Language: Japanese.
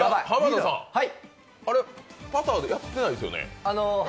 あれ、パターでやってないですよね？